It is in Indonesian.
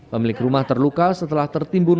pemilik rumah terluka setelah tertimbun